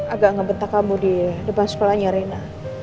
agak ngebentak kamu di depan sekolahnya rena